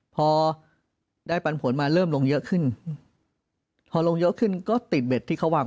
พอได้ปันผลมาเริ่มลงเยอะขึ้นพอลงเยอะขึ้นก็ติดเบ็ดที่เขาวาง